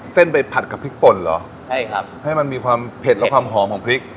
เส้นไปผัดกับพริกป่นเหรอใช่ครับให้มันมีความเผ็ดและความหอมของพริก